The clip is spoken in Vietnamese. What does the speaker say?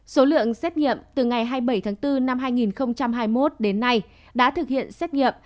số lượng xét nghiệm từ ngày hai mươi bảy tháng bốn năm hai nghìn hai mươi một đến nay đã thực hiện xét nghiệm